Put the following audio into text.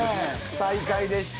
最下位でした。